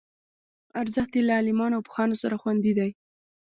ارزښت یې له عالمانو او پوهانو سره خوندي دی.